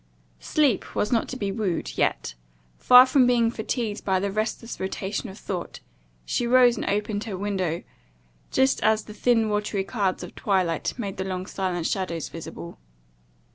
Sleep was not to be wooed; yet, far from being fatigued by the restless rotation of thought, she rose and opened her window, just as the thin watery clouds of twilight made the long silent shadows visible.